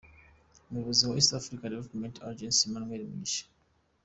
Umuyobozi wa East African Development Agency, Emmanuel Mugisha.